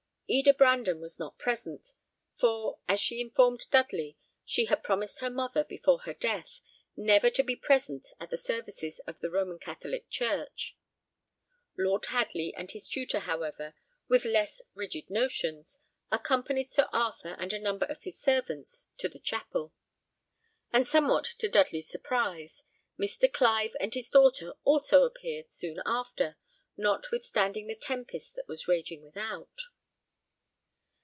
Eda Brandon was not present; for, as she informed Dudley, she had promised her mother, before her death, never to be present at the services of the Roman Catholic church. Lord Hadley and his tutor, however, with less rigid notions, accompanied Sir Arthur and a number of his servants to the chapel; and somewhat to Dudley's surprise, Mr. Clive and his daughter also appeared soon after, notwithstanding the tempest that was raging without.